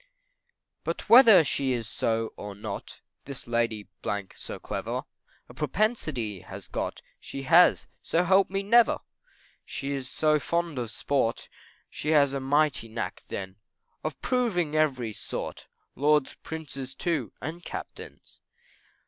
But whether she is so or not, This Lady so clever, A propensity has got, She has, so help me never! She is so fond of sport, She has a mighty knack then, Of proving every sort, Lords, Prince's too, and Captains.